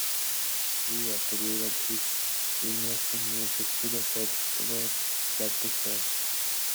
He attributed his interest in music to the Seth Ward Baptist Church.